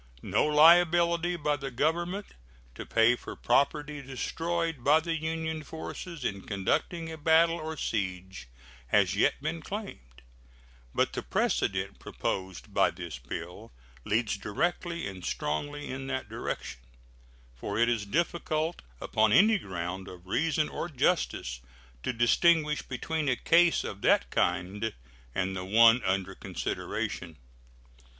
No liability by the Government to pay for property destroyed by the Union forces in conducting a battle or siege has yet been claimed, but the precedent proposed by this bill leads directly and strongly in that direction, for it is difficult upon any ground of reason or justice to distinguish between a case of that kind and the one under consideration.